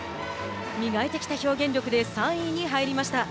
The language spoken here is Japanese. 磨いてきた表現力で３位に入りました。